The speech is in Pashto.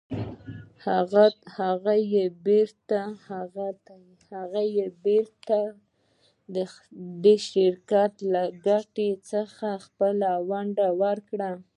هغه یې بېرته د شرکت له ګټې څخه خپله ونډه ورکړه.